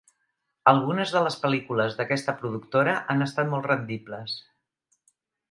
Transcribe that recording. Algunes de les pel·lícules d'aquesta productora han estat molt rendibles.